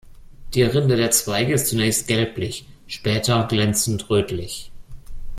Die Rinde der Zweige ist zunächst gelblich, später glänzend rötlich.